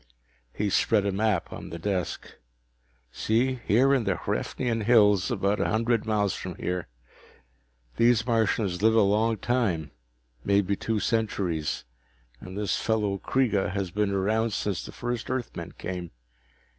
He spread a map on the desk. "See, here in the Hraefnian Hills, about a hundred miles from here. These Martians live a long time, maybe two centuries, and this fellow Kreega has been around since the first Earthmen came.